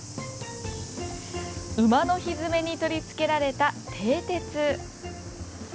馬のひづめに取り付けられた蹄鉄。